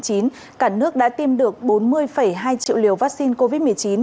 cả nước đã tiêm được bốn mươi hai triệu liều vaccine covid một mươi chín